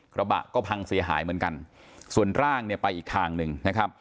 กระบะก็พังเสียหายเหมือนกันส่วนร่างไปอีกทางหนึ่ง